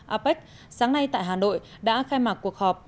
apec sáng nay tại hà nội đã khai mạc cuộc họp